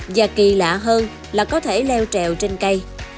và kỳ lạ hơn là có thể leo trèo trên cây